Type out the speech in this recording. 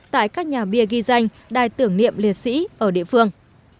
tại các nhà bia ghi danh đài tưởng niệm liệt sĩ ở địa phương